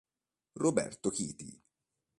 Roberto Chiti